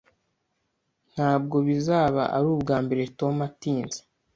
Ntabwo bizaba ari ubwambere Tom atinze